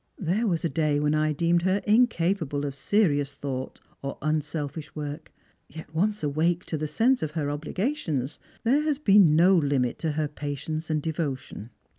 There was a day when I deemed her incapable of serious thought or un selfish work; yet, once awake to the sense of her obligations, there has been no limit to her patience and devotion."